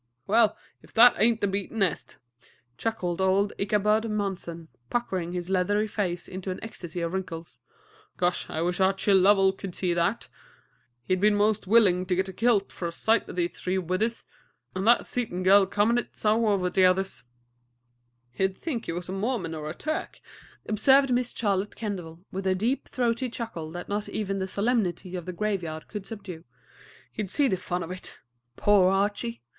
"Well, if that ain't the beatin'est!" chuckled old Ichabod Munson, puckering his leathery face into an ecstasy of wrinkles. "Gosh, I wish Archie Lovell could see that. He'd be 'most willin' to get kilt for a sight o' his three widders, an' that Seaton girl comin' it so over t' others." "He'd think he was a Mormon or a Turk," observed Miss Charlotte Kendall, with her deep, throaty chuckle that not even the solemnity of the graveyard could subdue. "He'd see the fun of it. Poor Archie!